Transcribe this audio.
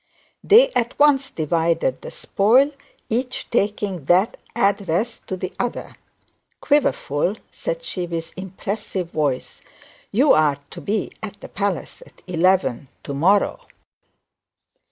They at once divided the spoil, each taking that addressed to the others. 'Quiverful,'said she with impressive voice, 'you are to be at the palace at eleven to morrow.'